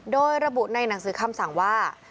โดยระบุในหนังสือคำสั่งว่า